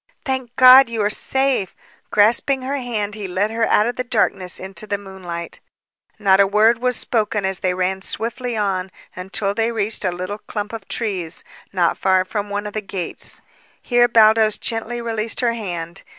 "Thank God! You are safe!" Grasping her hand he led her out of the darkness into the moonlight. Not a word was spoken as they ran swiftly on until they reached a little clump of trees, not far from one of the gates. Here Baldos gently released her hand.